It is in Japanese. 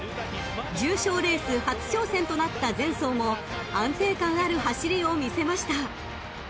［重賞レース初挑戦となった前走も安定感ある走りを見せました］